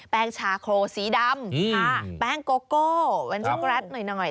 แป้งชาโครสีดำแป้งโกโก้แวนด้องแกรสหน่อย